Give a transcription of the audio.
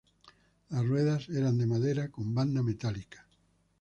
Las ruedas eran de madera con banda metálica.